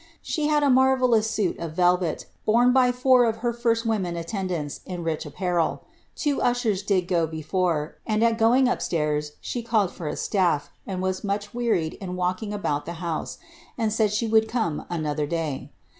She had a marvellous suit of velvet,' borne by four of her rsl women attendants in rich apparel ; two ushers did go before, and at NBf up stairs she called for a stafi^ and was much wearied in walking boat the house, and said slie would come another day.